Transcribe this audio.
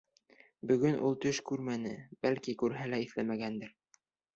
Бөгөн ул төш күрмәне, бәлки, күрһә лә иҫләмәгәндер.